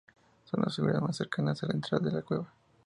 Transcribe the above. Son las figuras más cercanas a la entrada de la cueva.